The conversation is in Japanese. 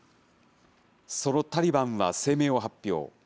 そのタリバンは声明を発表。